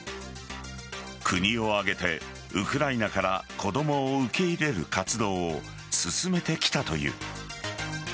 国を挙げてウクライナから子供を受け入れる活動を進めてきたという。